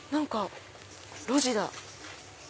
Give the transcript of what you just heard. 路地だ。